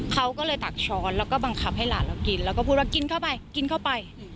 เขาก็เลยตักช้อนแล้วก็บังคับให้หลานเรากินแล้วก็พูดว่ากินเข้าไปกินเข้าไป